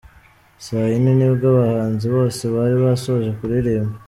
Saa yine nibwo abahanzi bose bari basoje kuririmba.